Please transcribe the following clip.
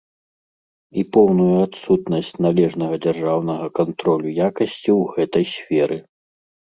І поўную адсутнасць належнага дзяржаўнага кантролю якасці ў гэтай сферы.